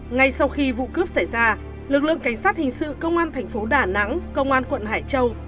ngay sau khi vụ cướp xảy ra lực lượng cảnh sát hình sự công an thành phố đà nẵng công an quận hải châu